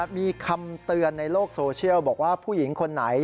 มีคำเตือนในโลกโซเชียลบอกว่าผู้หญิงคนไหน